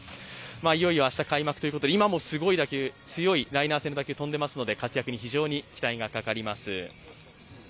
いよいよ明日開幕ということで、今も強いライナー性の打球が飛んでいますので、活躍に非常に期待がかかります。